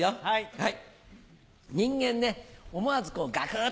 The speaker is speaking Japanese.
はい！